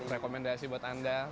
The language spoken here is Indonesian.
rekomendasi buat anda